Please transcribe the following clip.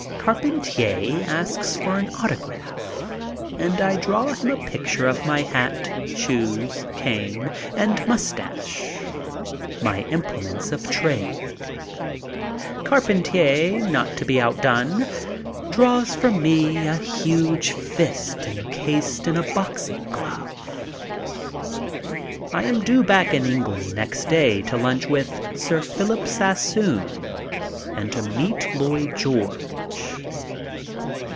Carpentier asks for an autograph and I draw him a picture of my hat, shoes, cane, and mustache, my implements of trade. Carpentier, not to be outdone, draws for me a huge fist incased in a boxing glove. I am due back in England next day to lunch with Sir Philip Sassoon and to meet Llpyd George.